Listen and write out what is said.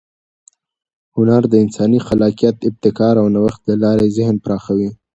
هنر د انساني خلاقیت، ابتکار او نوښت له لارې ذهن پراخوي.